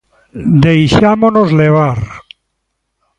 Deixámonos levar.